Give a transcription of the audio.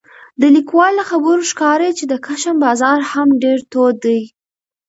د لیکوال له خبرو ښکاري چې د کشم بازار هم ډېر تود دی